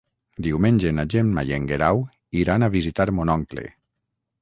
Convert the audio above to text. Diumenge na Gemma i en Guerau iran a visitar mon oncle.